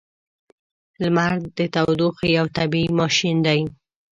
• لمر د تودوخې یو طبیعی ماشین دی.